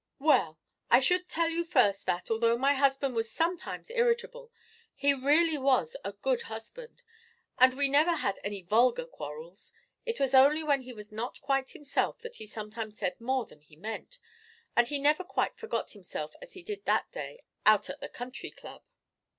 "Well I should tell you first that, although my husband was sometimes irritable, he really was a good husband and we never had any vulgar quarrels. It was only when he was not quite himself that he sometimes said more than he meant, and he never quite forgot himself as he did that day out at the Country Club.